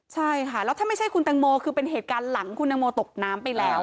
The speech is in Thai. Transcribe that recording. ใช่ค่ะแล้วถ้าไม่ใช่คุณตังโมคือเป็นเหตุการณ์หลังคุณตังโมตกน้ำไปแล้ว